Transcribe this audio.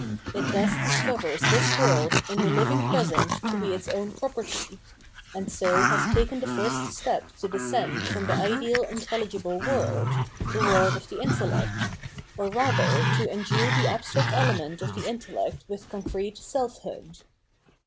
It thus discovers this world in the hving present to be its own property ; and so has taken the first step to descend from the ideal in telhgible world, the world of the intellect, or rather to endue the abstract element of the intellect with concrete self hood.